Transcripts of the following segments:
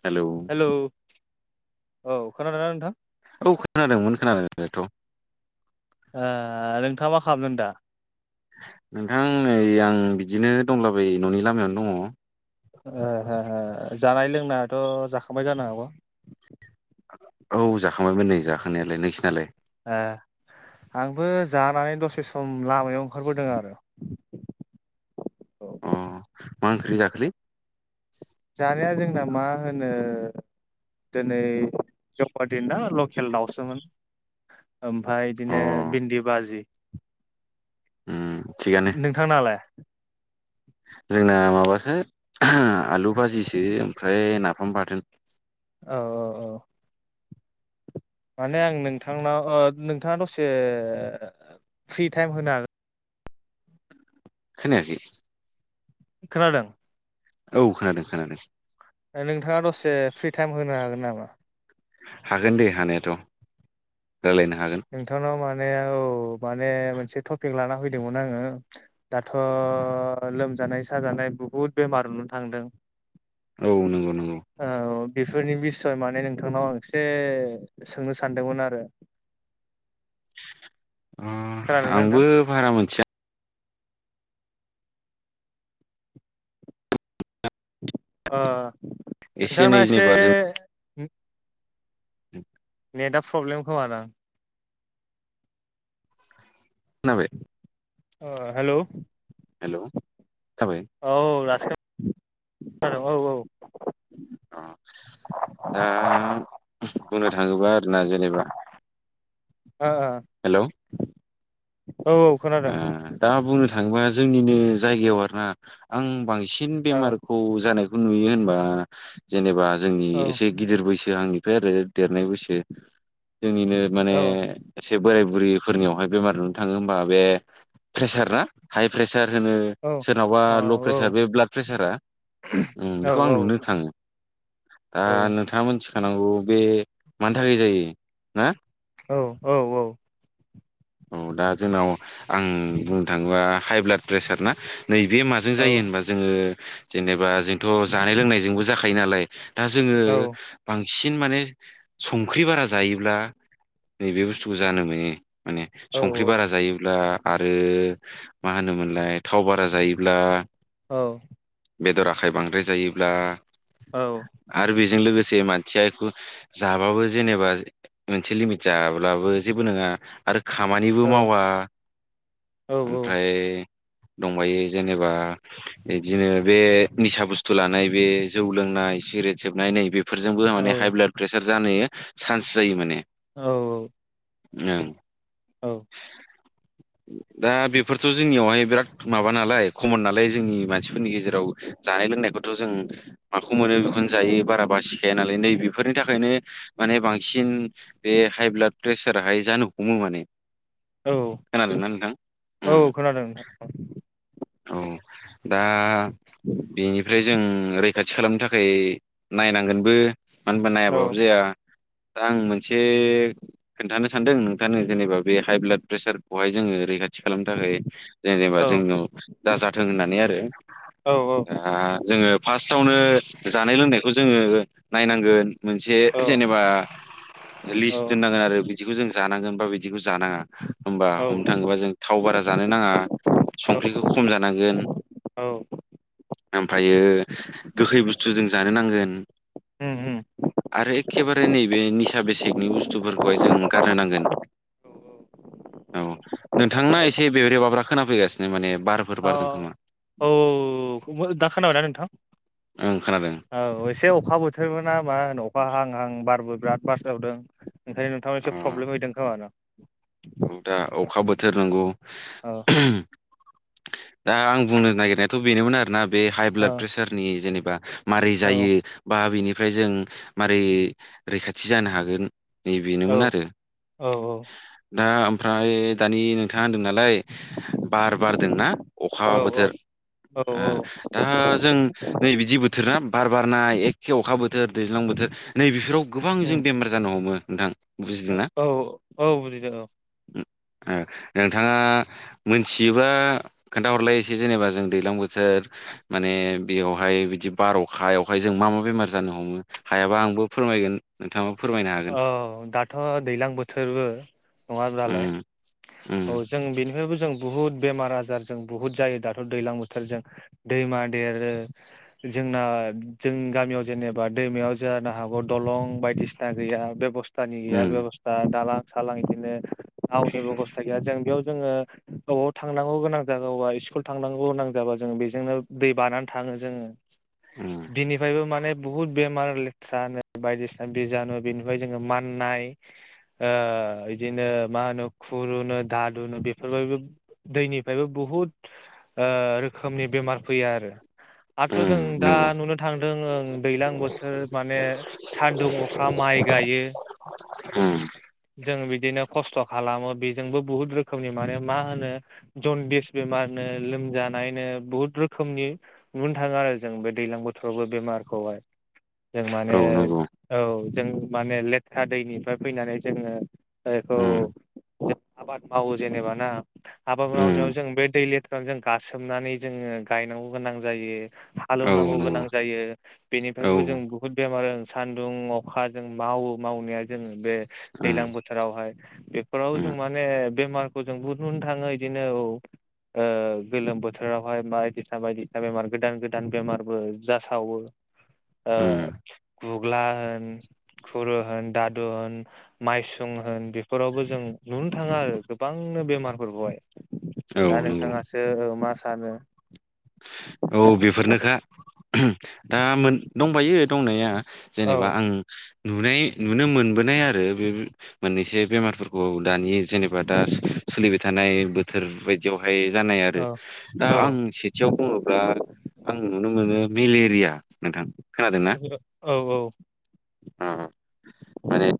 हेल' hello. औ खोनादोंना नोंथां? औ खोनादोंमोन खोनानायाथ' । ओ नोंथाङा मा खालामदों दा? नोंथां नै आं बिदिनो दंलाबायो न'नि लामायावनो दङ । ओ ओ ओ जानाय लोंनायाथ' जाखांबाय जानो हागौ । औ जाखांबायमोन नै जाखांनायालाय नोंसिनालाय? ओ आंबो जानानै दसे सम लामायाव ओंखारबोदों आरो । अ मा ओंख्रि जाखोलै? ओ मा होनो दोनै देवबार दिन ना लकेल दाउसोमोन ओमफाय अ बिदिनो भिन्दि बाजि उम थिगानो नोंथांनालाय जोंना माबासो आलु बाजिसो ओमफ्राय नाफाम बाथोन औ औ औ माने आं नोंथांनाव ओ नोंथाङा दसे फ्रि टाइम होनो हागोन खोनायाखै खोनादों औ खोनादों खोनादों नोंथाङा दसे फ्रि टाइम होनो हागोन नामा हागोन दे हानायाथ' रायलायनो हागोन ने औ माने मोनसे थफिक लाना फैदोंमोन आङो दाथ' लोम जानाय साजानाय बुहुत बेमार नुनोथांदों औ नंगौ नंगौ बेफोरनि बिसय माने नोंथांनाव आं एसे सोंनो सानदोंमोन आरो खोनादोंना नोंथां आंबो भारा मोनथिया अ एनै नोंथांना एसे जेनेबा जों [unintelligible] नेटा प्रब्लेम खोमादां नाबाय अ हेल' हेल' औ दाबो खोनादों औ औ अ दा बुंनो थाङोबा आरोना जेनेबा हेल' खोनादों ओ दा बुंनो थाङोबा जोंनिनो जायगायाव आरोना आं बांसिन सिन औ बेमारखौ जानायखौ नुयो होनबा जेनेबा जोंनि औ एसे गिदिर बैसो सो आंनिफ्राय आरो देरनाय बैसो जोंनिनो माने ओ औ खोनादों औ से बोराय बुरैफोरनियावहाय बेमार नुनो थाङो होमबा बे प्रेसार ना हाइ प्रेसार होनो सोरनावबा औ ल' प्रेसार बे ब्लाड प्रेसारा उम औ बेखौ आं औ नुनो थाङो दा नोंथाङा मिथिखानांगौ बे मानि थाखाय जायो ना औ दा जोंनाव आं बुंनो थाङोबा हाइ ब्लाड प्रेसार ना नैबे माजों जायो होनबा जोङो जेनेबा जोंथ जानाय लोंनायजोंबो जाखायो नालाय दा जोङो सिन माने संख्रि बारा जायोब्ला नैबे बुस्थुखौ जानो मोनो माने औ संख्रि बारा जायोब्ला आरो मा होनोमोनलाय थाव बारा जायोब्ला औ बेदर आखाइ बांद्राय जायोब्ला औ जों लोगोसे मानसियाखौ जाबाबो जेनेबा मोनसे लिमिट जाब्लाबो जेबो नङा आरो खामानिबो औ मावा औ ओमफ्राय दंबायो जेनेबा बिदिनो बे निसा बुस्थु लानाय बे जौ लोंनाय नाय सिग्रेट सोबनाय नै बेफोरजोंबो औ माने हाइ ब्लाद प्रेसार जानो चान्स जायो माने औ-औ [unintelligible] औ दा बेफोरथ' जोंनियावहाय बिराद माबा नालाय कमन नालाय जोंनि मानसिफोरनि गेजेराव जानाय लोंनायखौथ' जों माखौ मोनो बेखौनो जायो बारा बासिखाया नालाय नै बेफोरनि थाखायनो माने बांसिन बे हाइ ब्लाड प्रेसाराहाय जानो हमो माने औ खोनादोंना नोंथां? उम औ खोनादों नोंथां औ दा बेनिफ्राय जों रैखाथि खालामनो थाखाय नायनांगोनबो मानो होनबा औ नायाबाबो जाया दा आं मोनसे खोन्थानो सानदों नों थानो जेनेबा हाइ ब्लाड प्रेसारखौहाय जोङो रैखा थि खालामनो थाखाय जे-जेनेबा औ जोंनाव दाजाथों होननानै आरो औ दा जोङो फार्स्टआवनो जानाय लोंनायखौ जोङो नायनांगोन मोनसे जेनेबा औ लिस्ट दोननांगोन आरो बिदिखौ जों जानांगोन होनबा बिदिखौ जानाङा होमबा औ हमनो थाङोबा जों थाव बारा जानो नाङा संख्रिखौ खम जानांगोन औ ओमफायो गोखै बुस्थु जों जानो नांगोन उम उम आरो एखेबारे नैबे निसा बेसेकनि बुस्थुफोरखौहाय जों गार गोन औ नोंथांना एसे ब्रेबेब्राबा खोना फैगसिनो माने बारफोर अ बारदों खोमा औ -औ-औ दा खोनाबायना नोंथां ओं खोनादों औ एसे अखा बोथोरबो ना मा होनो अखा हां हां बारबो बिराद बारसावदों ओंखायनो नोंथांमोनाव अ एसे प्रब्लेम हैदों खोमान थोरनंगौ औ दा आं बुंनो नागिरनायाथ' बेनोमोन आरोना बे हाइ ब्लाद औ प्रेसारनि जेनेबा मारै औ जायो बा बिनि बेनिफ्राय जों मारै रैखाथि जानो हागोन औ नैबेनोमोन आरो औ दा ओमफ्राय दानि नोंथाङा होनदों नालाय बार बारदोंना औ अखा औ बोथोर ओ दा जों नै बिदि बोथोर ना बार बारनाय एखे अखा बो थोर दैज्लां बोथोर नैबेफोराव गोबां जों बेमार जानो हमो नोंथां ओ-औ बुजिदोंना? -औ -औ बुजिदो औ ओ नोंथाङा मोनथियोब्ला खोन्थाहरलाय एसे जेनेबा जों दैज्लां बोथोर माने बेयावहाय बिदि बार अखायावहाय जों मा-मा बेमार जानो हमो हायाबा आंबो फोरमायगोन नोंथां औ दाथ' दैज्लां बोथोरबो नङादालाय उम औ उम जों बेनिफ्रायबो जों बहुत बेमार-आजार जों बहुत जायो दाथ' दैजलां बोथोरजों दैमा देरो जोंना जोंनि गामियाव जेनेबा दैमायाव जानो हागौ दलं बायदिसिना दा गैया बेब'स्थानि गैया उम बेब'स्था दालां -सालां बिदिनो दा आवनिबो अब'स्था गैया जों बेयाव जोङो अबावबा थांनांगौ गोनां जागौबा स्कुल थांनांगौ गोनां जाबा जों बेजोंनो दै बारनानै थाङो जों उम बिनिफ्रायबो माने बुहुत बेमार लेथ्रा नो बायदिसिना बिजानु बेनिफ्राय जोङो माननाय ओ इदिनो मा होनो खुरुनो दादुनो बेफोरबायदिबो दैनिफ्रायबो बहु बहुद ओ रोखोमनि बेमार फैयो आरो आरोथ' उम जों दा नंगौ नुनो थांदों ओं दैलां बोथोर माने सानदुं अ खा माइ गायो उम जों बिदिनो खस्थ' खालामो बेजोंबो बुहुत रोखोमनि माने मा होनो जनदिस बेमारनो लोमजानायनो बहुत रोखोमनि नुनो थाङो आरो जों बे दैलां बोथोरावबो बेमारखौहाय जों माने औ नंगौ औ जों माने लेथ्रा दैनिफ्राय फैनानै जोङो ओ बेखौ उम आबाद मावो जेनेबा ना आबाद मावनायाव उम जों बे दै ले खौ जों गासोमनानै जोङो गायनांगौ गोनां जायो औ हालौनांगौ गोनां नंगौ जायो औ बेनिफ्रायबो जों बुहुत बेमार सान गुदुं अखा जों मावो मावनाया जोङो बे उम दैज्लां बोथोरावहाय बेफोराव उम जों माने बेमार जों [unintelligible] थाङो बिदिनो औ। ओ गोलोम बोथोरावहाय बायदिसिना बायदिसिना बेमार गोदान गोदान बेमारबो जासावो। ओ उम गुग्ला होन खुरु होन दादु होन माइसुं होन बेफोरावबो जों नुनो थाङो आरो गोबां नो बेमार खौहाइ औ दा नंगौ नोंथाङासो मा सानो? औ बेफोरनोखा दा दंबायो दंनाया औ जेनेबा आं नुनाय नुनो मोनबोनाय आरो बे मोननैसो बेमारफोरखौ दानि जेनेबा दा सोलिबाय थानाय बोथोर बायदियावहाय जानाय आरो औ दा औ आं एसे याव बुङोब्ला आं नुनो मोनो मेलेरिया नोंथां औ औ अ माने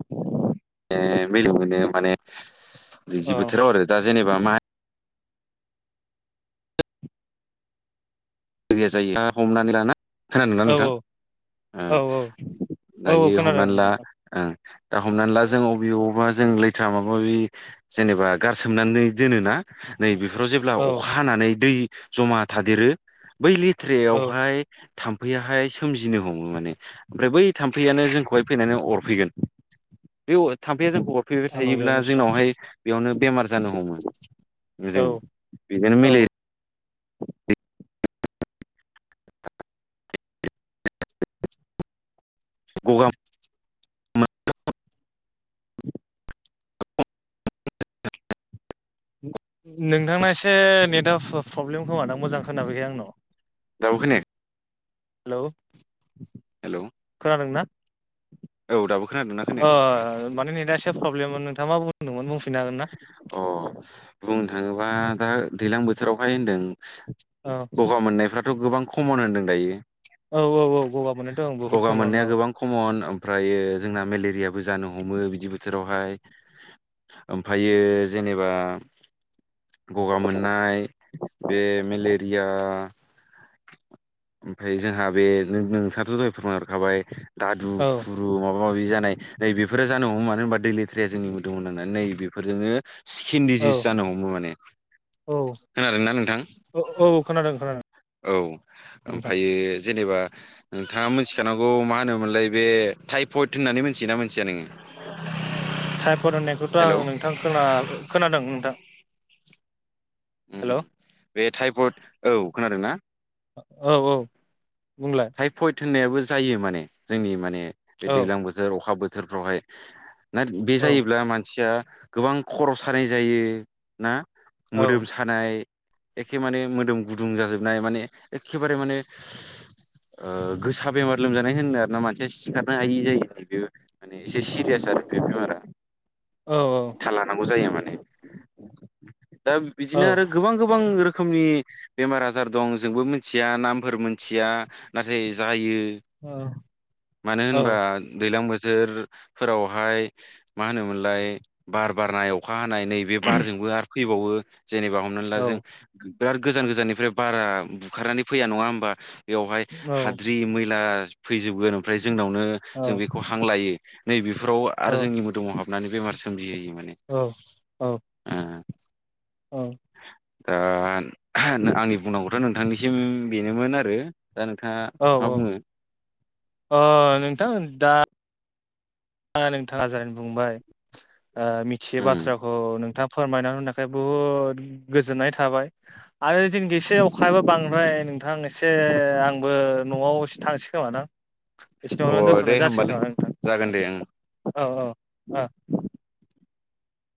मिलो माने औ दैैजि बोथोराव आरो दा जेनेबा मा [unintelligible] जायो हमनानै ला ना खोनादोंंना नोंथां औ औ औ दायो खोनादों हमनानै ला नोंथां ओ दा हमनानै ला जों अबेयावबा जों लेथ्रा माबा माबि जेनेबा गारसोमनानै दोनोना नै बेफोराव जेब्ला औ अखा हानानै दै जमा थादेरो बै औ लेथ्रयावहाय थाम्फैयाहाय सोमजिनो हमो माने ओमफ्राय बै थाम्फैयानो जोंखौहाय फैनानै अरफैगोन बे अ थाम्फैाया जोंखौ हरफैबाय आं नुयो थायोब्ला नोंस्रा जोंनावहाय बेयावनो बेमार जानो हमो। औ जों बेजोंनो मिले औ गगा नोंथांना एसे नेटवार्क फ-प्रब्लेम खोमा दां मोजां खोनाबैफैया आंनाव। दाबो खोनाया? हेलौ हेलौ खोनादों ना? औ दाबो खोनादोंना अ खोनायाखै माने नेटा एसे प्रब्लेममोन नोंथाङा बुंदोंमोन बुंफिन। अ बुंनो थाङोबा दा दैलां बोथोरावहाय होनदों औ गगा मोननायफ्राथ' गोबां खमन होनदों दायो। औ औ औ गगा मोननायथ' आं बुहुद गगा खोमोन मोननाया औ गोबां खमन ओमफ्रायो जोंना मेलेरियाबो जानो हमो बिदि बोथोरावहाय ओमफायो जेनेबा गगा मोननाय बे मेलेरिया ओमफ्राय जोंहा बे नो नोंथाङाथ' दहाय फोरमाय हरखाबाय दादु औ खुरु माबा माबा माबि जानाय नै बेफोरो जानो हमो मानो होनबा दै लेथ्राया जोंनि मोदोमाव नांनानै नै बेफोरजोंनो स्किन डिजिस जानो हमो माने औ खोनादोंना नोंथां औ औ खोनादों खोनादों। औ नोंथां ओमफ्राययो जेनेबा नोंथाङा मिथिखानांगौ मा होनोमोनलाय बे टाइफयद होननानै मिथियोना मोन - टायपयेट होननायखौथ' हेलौ आं नोंथां खोन खोनादों नोंथां। हेल' बे टाइफइड औ खोनादोंना? औ औ बुंलाय टाइफयड होननायाबो जायो माने जोंनि माने बे औ दैज्लां बोथोर अखा बोथोरफ्रावहाय ना बे औ जायोब्ला मानसिया गोबां खर' सानाय जायो ना औ मोदोम सानाय एखे माने मोदोम गुदुं जाजोबनाय माने एखेबारे माने गोसा बेमार लोमजानाय होनो आरोना मानसिया सिखारनो हायि जायो बियो। माने एसे सिरियास आरो बे बेमारा औ थाल लानांगौ जायो माने। दा बिदिनो औ आरो गोबां गोबां रो खोमनि बेमार आजार दं जोंबो मिथिया नामफोर मोनथिया नाथाय जायो। औ मानो औ होनबा दैलां बो थोर फोरावहाय मा होनोमोनलाय बार बारनाय अखा नाय नैबे बारजोंबो आरो फैबावो जेनेबा हमनानै ला जों बिराद गोजान गोजाननिफ्राय बारा बुखारनानै फैया नङा होमबा बेयावहाय औ हाद्रि मैला फैजोबगोन ओमफ्राय जोंनावनो औ जों बेखौ हां लायो नैबे बेफोराव आरो जोंनि मोदोमाव हाबनानै बेमार सोमजिहोयो माने औ औ ओ औ दा आंनि बुंनांगौथ' नोंथांनिसिम बेनोमोन आरो दा नों औ औ अ नोंथां दा नोंथाङा जा बुंबाय मिथियो उम बाथ्राखौ नोंथां फोरमायना होनायनि थाखाय बुहुद गोजोननाय थाबाय आरो जोनिखि एसे अखायाबो बांद्राय नोंथां एसे आंबो न'आव एसे थांसै खोमा नां बेखिनियावनो अ दे दोन्थ'नाय जासिगोन होमबालाय नामा जागोन दे ओं नोंथां औ औ ओ